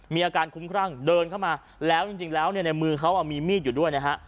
มีอาการคุ้มครั่งเดินเข้ามาแล้วจริงแล้วเนี่ยในมือเขามีมีดอยู่ด้วยนะฮะ